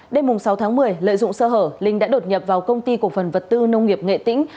đêm sáu tháng một mươi lợi dụng sơ hở linh đã đột nhập vào công ty cổ phần vật tư nông nghiệp nghệ tĩnh